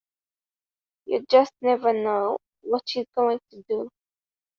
You just never know what she's going to do.